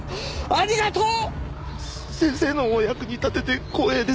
ありがとう！